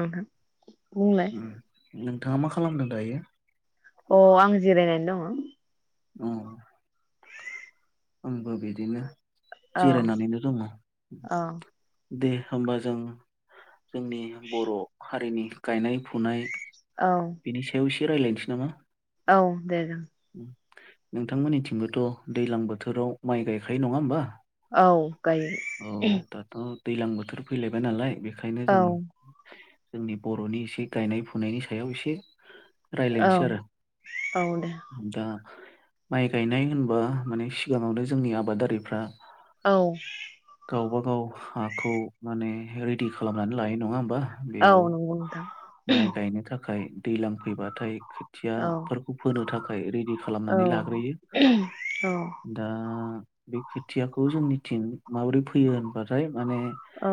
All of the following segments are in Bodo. नोंथां बुंलाय [inaudible] नोंथाङा मा खालामदों दायो? अ आं जिरायनानै दङ। ओं आंबो बिदिनो। औ जिरायनानैनो दङ। औ दे होमबा जों। जोंनि बर हारिनि। गायनाय फुनाय। औ रायज्लायनोसै नामा? औ दे जागोन। नोंथांमोननिथिंबोथ दैलां बोथोराव माइ गायखायो नङा होमबा? औ गायो औ दाथ। दैलां बोथोर फैलायबाय नालाय। ओंखायनो औ जों जोंनि बर'नि एसे गायनाय फुनायनि सायाव एसे औ रायज्लायनोसै आरो औ दे दा माइ गायनाय होनबा माने सिगाङावनो जोंनि आबादारिफ्रा औ गावबा गाव हाखौ माने रेडि खालामनानै लायो नङा होमबा। औ बेयाव नंगौ नोंथां माइ गायनो थाखाय दैज्लां फैबाथाय। औ खोथियाफोरखौ फोनो थाखाय [unintelligible] रिदि औ खालामनानै लाग्रोयो औ दा। बे खोथियाखौ जोंनि थिं। माबोरै फैयो होनबाथाय माने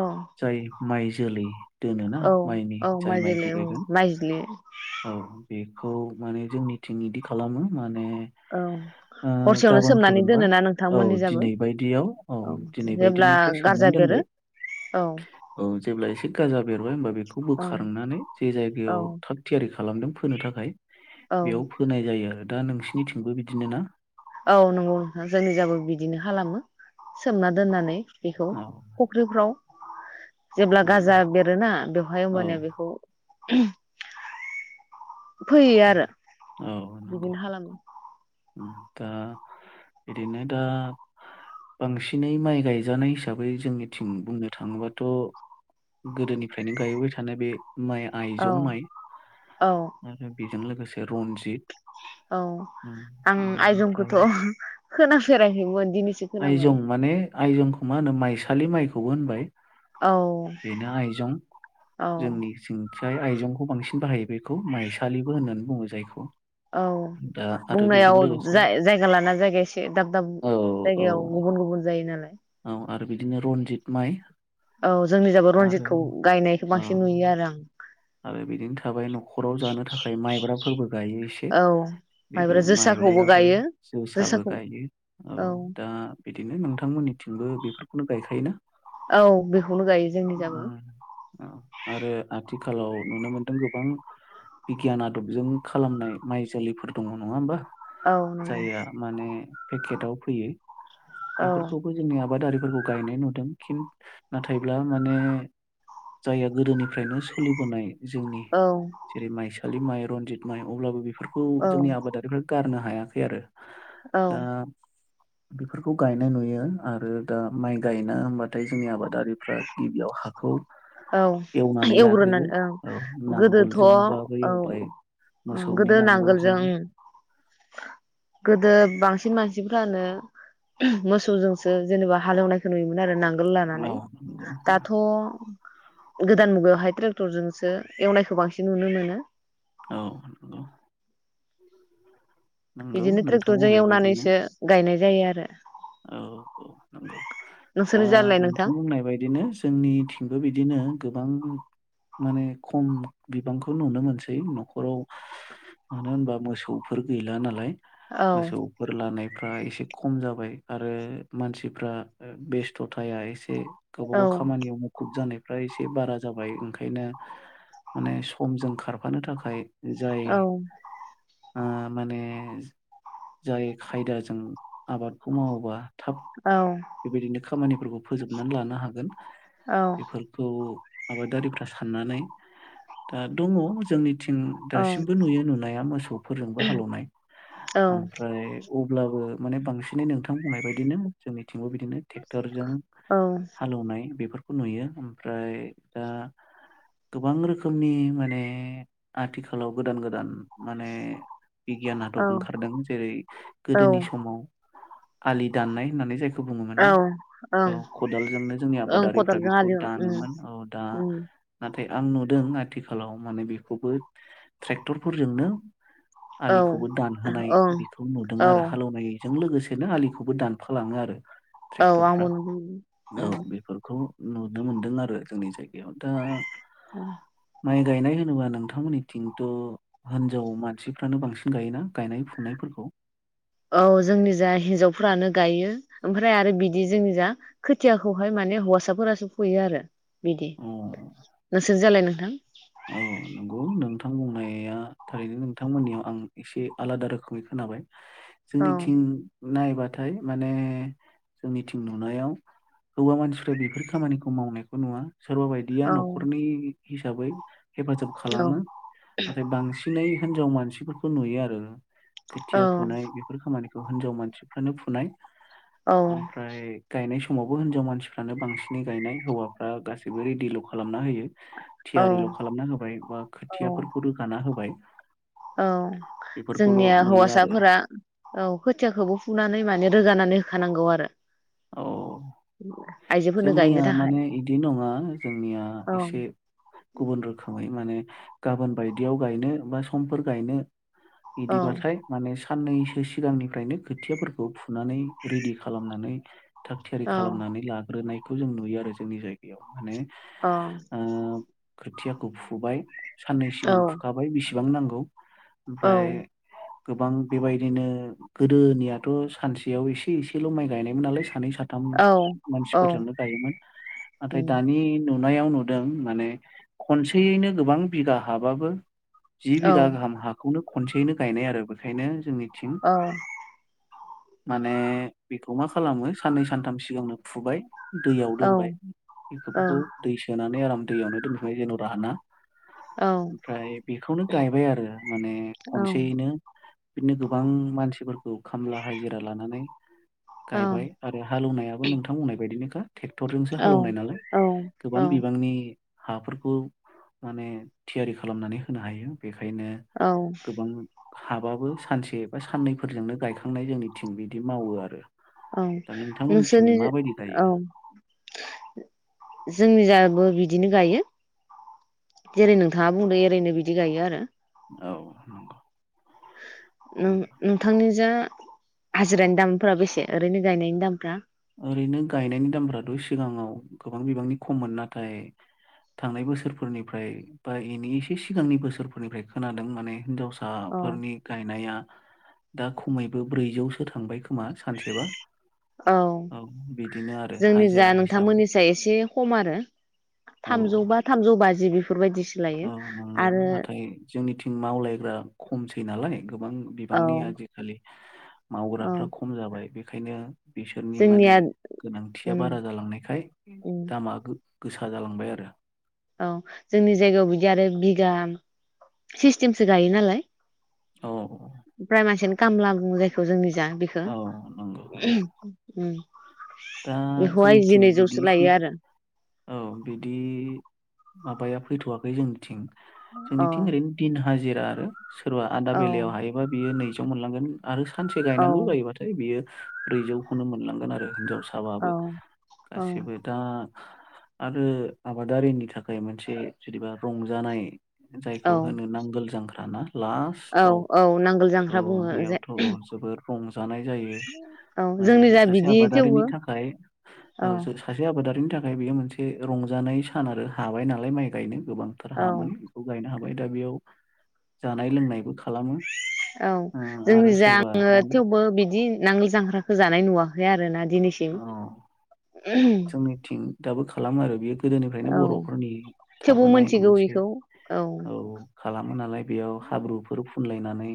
औ जाय माइ जोलै दोनोना औ माइनि औ जाय माइजलि माइखौ ओं गायगोन माइज्लि औ बे खौ माने जोंनिथिं इदि खालामो माने औ ओ हरसेयावनो गाबोन सोमनानै फोगोनबा दोनोना औ नोंथांमोननि जाबो दिनै बायदियाव औ दिनै जेब्ला बादिनिफ्राय गारजा सोमनानै बेरो दोनबाय औ औ जेब्लाय एसे गाजा बेेरबाय बे बेखौ औ बोखारनानै जे औ जायायाव थाग थियारि खालामदों फोनो थाखाय औ बेयाव फोनाय जायो आरो दा नोंसिोरनिथिंबो बिदिनो ना औ नंगौ नोंथां जोंनि जाबो बिदिनो खालामो सोमना दोननानै बेखौ औ फुख्रिफ्राव जेब्ला नंगौ गाजा बेरोना बेवहाय औ अबानिया बेखौ [unintelligible] फैयो आरो औ नंगौ बिदिनो खालामो दा बिदिनो दा बांसिनै माइ गायजानाय हिसाबै जोंनिथिं बुंनो थाङोबाथ' गोदोनिफ्रायनो गायबोबाय थानाय बे माइ औ आइजं माइ औ बेजों लोगोसे रनजित औ आं आयजंखौथ' ओमफ्राय खोनाफेराखैमोन दिनैसो आइजं खोनाबाय माने आइजंखौ मा होनो माइसालि माइखौबो होनबाय औ बेनो आइजं औ जोंनिथिं। फ्राय आइजंखौ बांसिन बाहायो बेखौ माइ सालिबो होननानै बुङो जायखौ। औ दा आरो बेजों बुंनायाव लोगोसे जाय जायगा लाना जायगा एसे दाब दाब औ औ जायगायाव गुबुन गुबुन जायो नालाय। औ आरो बिदिनो रनजित माइ औ जोंनि जायगायाव आरो रनजितखौ गायनायखौ औ बांसिन नुयो आरो आं। आरो बिदिनो थाबाय न'खराव जानो थाखाय माइब्राफोरबो गायो एसे औ बेबो माइब्रा जोसाखौबो माइब्रायाबो गायो जोसाबो जोसाखौ गायो औ दा बिदिनो नोंथांमोननिथिंबो बेफ बेखौनो गायखायोना। औ बेखौनो गायो जोंनि [unintelligible] जायगायावबो। अ आरो आथिखालाव नुनो मोनदों गोबां बिगियान आदबजों खालामनाय माइ जोलैफोर दङ नङा होमबा? औ नंगौ जाय आ माने पेकेटाव फोयो औ बेफोरखौबो जोंनि आबादारि फोरखौ गायनाय नुदों खिन नाथायब्ला माने जाया गोदोनिफ्रायनो सलि बोनाय जोंनि औ जेरै माइ सालि माइ रनजि माइ अब्लाबो बे फोरखौ औ जोंनि आबादारिफ्रा गारनो हायाखै आरो। औ दा बेफोरखौ गायनाय नुयो आरो दा माइ गायनो होनबाथाय जोंनि आबादारिफ्रा गिबियाव हाखौ औ एव एवनानै [unintelligible] लाग्रोयो औ गोदोथ' औ नांगोलजोंबाबो एवबाय ओं गोदो नांगोलजों गोदो बांसिन बांसिन मानसिफ्रानो मोसौजोंसो जेनेबा हालेवनायखौ नुयोमोन। आरो नांगोल लानानै औ नंगौ दाथ' गोदान मुगायावहाय ट्रेक्टरजोंसो एवनायखौ बांसिन नुनो मोनो। औ नंगौ। नंगौ बिदिनो नोंथां ट्रेक्टरजों बुंनाय बायदिनो एवनानैसो गायनाय जायो आरो। [inaudible] औ औ नंगौ दा नोंसोरनि जालाय नोंथां बुंनाय बायदिनो जोंनिथिंबो बिदिनो गोबां माने खम बिबांखौ नुनो मोनसै न'खराव मानो होनबा मोसौफोर गैला नालाय। औ मोसौफोर लानाय फ्रा एसे खम जाबाय। आरो मानसिफ्रा बेस्थ' थाया एस से गावबा औ गाव खामानियाव मुखुब जानाय फ्रा एसे बारा जाबाय ओंखायनो माने समजों खारफानो थाखाय जाय औ ओ माने जाय खायदाजों आबाद खौ मावबा औ बेबायदिनो खामानिफोरखौ फोजोबनानै लानो हागोन। औ बेफोरखौ आबादारिफ्रा साननानै दा दङ' जोंनि थिं औ दासिमबो नुयो नुनाया मोसौफोरजोंबो हालेवनाय। ओमफ्राय अब्लाबो माने बांसिनै नोंथां बुंनाय बायदिनो जोंनि बिदिनो ट्रेक्टरजों औ हालेवनाय बेफोर खौ नुयो ओमफ्राय दा गोबां रोखोमनि माने आथिखालाव गोदान गोदान माने बिगियान आदब ओंखारदों जेरै औ गोदोनि समाव आलि दाननाय होननानै जाय खौ बुङोमोन ना औ औ ओं खदालजोंनो जोंनि ओं आबादारिफ्रा खदालजों बेखौ हालेवो उम दानोमोन औ दा उम ना थाय आं नुदों आथिखालाव माने बेखौबो ट्रेक्टरफोरजोंनो औ आलिखौबो दानहोनाय ओं बेखौ नुदों औ आरो हालेवनाय जों लोगोसेनो आलिखौबो दानफालाङो आरो औ ट्रेक्टरफ्रा आंबो नुदों ।औ उम बेफोरखौ नुनो मोनदों आरो जोंनि जायगायाव दा माइ गायनाय होनोबा नोंथांमोननिथिंथ' हिनजाव मानसिफ्रानो बांसिन गायोना गायनाय फुनायफोरखौ औ जोंनि जा हिन्जावफोरानो गायो ओमफ्राय आरो बिदि जोंनि जा खोथियाखौहाय माने हौवासाफोरासो फुयो आरो बिदि अ नोंसोर जालाय नों थां औ नंगौ नोंथां [unintelligible] थारैनो नोंथांमोननियाव आं एसे आलादा रोखोमै खोनाबाय। औ जोंनिथिं नायबाथाय माने जोंनिथिं नुनायाव हौवा मानसिफ्रा बेफोर खामानिखौ मावनायखौ नुवा। सोरबा बायदिया औ न'खरनि हिसाबै हेफाजाब औ खालामो । नाथाय बांसिनै हिन्जाव मानसिफोरखौ नुयो आरो खोथिया फुनाय बेफोर खामानि खौ हिनजाव मानसिफ्रानो फुनाय। औ ओमफ्राय गायनाय स मावबो हिनजाव मानसिफ्रानो बांसिनै गायनाय हौवाफ्रा गासैबो रेडिल' खालामना होयो। औ थियारि ल खालामना होबाय बा औ खोथियाफोरखौ रोगाना होबाय औ बेफोरखौल' जोंनिया नुयो आरो हौवासाफोरा औ खोथियाखौबो फुनानै माने रोगानानै होखानांगौ आरो औ आइजोफोरनो गायनो जोंनिया थाखाय माने बिदि नङा जोंनिया औ एसे गुबुन रोखोमै माने गाबोन बायदियाव गायनो बा समफोर गायनो औ बिदिबाथाय माने साननैसो सिगांनिफ्रायनो खोथियाफोरखौ फुनानै रेडि खालामनानै थाग थियारि औ खालामनानै ला नायखौ जों नुयो आरो जोंनि जायगायाव माने औ ओ खोथियाखौ फुबाय साननै औ सिगां फुखाबाय बिसि बां नांगौ औ ओमफ्राय गोबां बेबायदिनो गोदोनियाथ सानसेयाव एसे एसेल माइ गायनायमोन नालाय सानै साथाम औ मानसिफोरजोंनो गायोमोन नाथाय दानि नुनायाव नुदों माने खनसेयैनो गोबां बिघा हाबाबो जि औ औ बिघा गाहाम हाखौनो खनसेयैनो गायनाय आरो बेखायनो जोंनि थिं औ माने बि खौ मा खालामो साननै सानथाम सिगांनो फुबाइ दैयाव औ दोनबाय औ बेफोरखौ दै सोनानै आराम दैयावनो दोनथबाय जेन राना औ ओमफ्राय बेखौनो गायबाय आरो माने औ खनसेयैनो बिदिनो गोबां मानसिफोरखौ खामला हाजिरा लानानै औ गायबाय आरो हालौनायाबो नोंथां बुंनाय बायदिनोखा ट्रेक्टरजोंसो औ हालौवनाय नालाय औ गोबां बिबांनि हाफोरखौ माने थियारि खालामनानै होनो हायो बेखायनो औ गोबां हाबाबो सानसे बा साननैफोरजोंनो गायखांनाय जोंनि थिं बिदि मावो आरो। औ दा नोंथांमोननिथिं नोंसोर माबायदि [unintelligible] औ गायो जोंनि जाबो बिदिनो गायो जेरै नोंथाङा बुंदों एओरैनो बिदि गायो आरो। औ नंगौ। नों नंगौ। नोंथांनि जा हाजिरानि दामफोरा बेसे ओरैनो गायनायनि दामफ्रा? ओरैनो गायनायनि दामफ्राथ' सिगाङाव गोबां बिबांनि खममोन नाथाय थांनाय बोसोरफोरनिफ्राय बा एनि एसे सिगांनि बोसोरफोरनिफ्राय खोनादों माने औ हिन्जावसाफोरनि गायनाया दा खमैबो ब्रैजौसो थांबाय खोमा सानसेबा। अ औ बिदिनो आरो हाजिरा जोंनिजा हिसाबै नोंथांमोननिसाय एसे खम आरो औ थामजौ बा थामजौ बाजि बिफो औ नंगौ नाथाय जोंनिथिं मावलायग्रा खमसै नालाय गोबां औ बिबांनि आजिखालि औ मावग्राफ्रा खम जाबाय बे ओंखायनो बिसोरनि माने जोंनिया गोनांथिया उम बारा जालांनायखाय उम दामा गो गोसा जालांबाय आरो औ जोंनि जायगायाव बिदि आरो बिगा सिस्टेमसो गायो नालाय औ प्राय मानसियान कामला बुङो जायखौ जोंनि जा बेखो औ नंगौ औ उम दा बेखौहाय जोंनिथिं जिनैजौसो लायो बिदिसिस आरो औ बिदि माबाया फैथ'वाखै जोंनिथिं अ जोंनिथिं ओरैनो दिन हाज जिरा आरो सोरबा आदा औ बेलायाव हायोबा बियो नैज जौ मोनलांगोन आरो सानसे औ गायनांगौ जायोबाथाय बियो ब्रैजौखौनो मोनलांगोन आरो [unintelligible] साबाबो, औ औ गासिबो दा आरो आबादारिनि थाखाय मोनसे जुदिबा रंजानाय जायखौ औ होनो नांगोल जां [unintelligible] औ लास्टाव औ नांगोल औ जांख्रा बुङो जे बेयावथ' औ जोबोर रंजानाय जायो औ माने जोंनि जा सासे बिदि आबाद थेवबो दारिनि थाखाय औ ओ जों सासे आ आबादारिनि थाखाय बेयो मोनसे रंजानाय सान आरो हाबाय नालाय माइ गायनो। गोबांथार औ हामोन बेखौ गायनो हा बाय दा बेयाव जानाय लोंनायबो खा औ जोंनिजा सोरबा माने थेवबो बिदि नांगोल जांख्राखो जानाय नुवाखै आरोना दिनैसिम। अ जोंनिथिं दाबो खालामो आरो बेयो गोदोनिफ्रायनो औ बर'फोरनि थेवबो थाबोनाय मोनथिगौ मोनसे बेखौ औ खालामो नालाय बेयाव हाब्रुफोर फुनलायनानै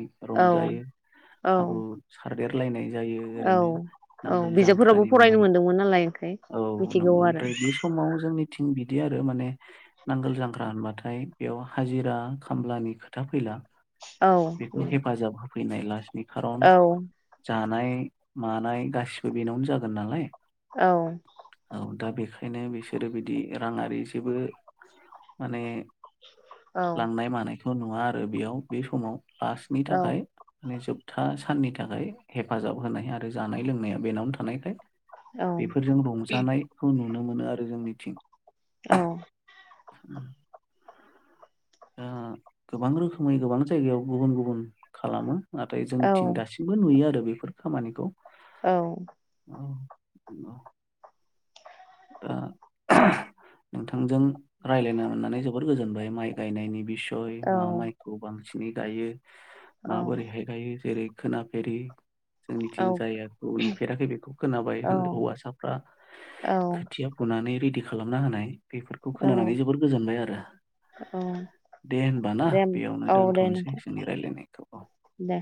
औ रंजायो औ हाब्रु सार देरलायनाय औ औ बिजाबफोरावबो मुङै फरायनो मोनदोंमोन नालाय ओं औ नंगौ ओमफ्राय बे समाव जोंनिथिं बि बिदि आरो माने नांगोल जांख्रा होनबाथाय बेयाव हाजिरा खामलानि खोथा फैला। औ बेखौ हेफाजाब फैनाय लास नि खारन, औ जा नाय मानाय गासिबो बेनावनो जागोन नालाय। औ। औ दा बेखायनो बिसोरो बिदि राङारि जेबो माने औ लांनाय मानाय थ' नुवा आरो बेयाव, बे समाव। लास्टनि थाखाय औ माने जोब था साननि थाखाय हेफाजाब होनाय आरो जानाय लोंनाया बेनावनो थानायखाय औ बेफोरजोंनो दं। जानायखौ नु नुनो मोनो आरो जोंनिथिं। औ। [inaudible] ओ गोबां रोखोमै गोबां जायगायाव गुबुन गुबुन खालामो। नाथाय औ जोंथिं दासिमबो नुयो आरो बेफोर खामानिखौ। औ। औ [unintelligible] ओनोंथांजों रायजज्लायनो मोननानै जोबोर गोजोनबाय माइ गायनायनि बिस य मा मायखौ बांसिन बांसिनै गायो। औ माबोरैहाय गायो जेरै खोनाफेरै जोंनिथिं जायखौ नुफेराखै बेखौ खोनाबाय औ होन हौवासाफ्रा खोथिया फुनानै दि खालामना होनाय बेफोरखौ खोनानानै जोबोर गोजोनबाय आरो औ दे होनबा ना दे बेयावनो औ दे दोन्थ'नोसै नोंथां जोंनि रायलायनायखौ औ। दे